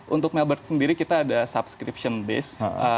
untuk melbourt sendiri kita ada subscription base